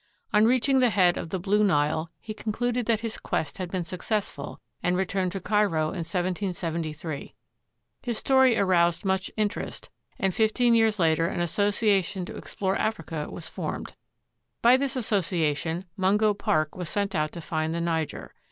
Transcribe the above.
On reaching the head of the Blue Nile, he concluded that his quest had been successful and returned to Cairo in 1773. His story aroused much interest, and fifteen years later an association to ex plore Africa was formed. By this association Mungo Park was sent out to find the Niger.